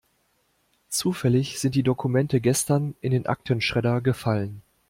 Zufällig sind die Dokumente gestern in den Aktenschredder gefallen.